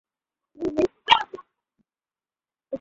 ছাকীফ গোত্রের নতুন বাহিনী দ্রুত হাওয়াযিনদের শূন্যস্থান পূরণ করে।